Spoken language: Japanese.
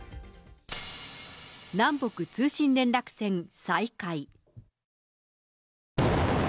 南北通信連絡線、再開。